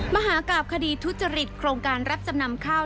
มหากราบคดีทุจริตโครงการรับจำนำข้าว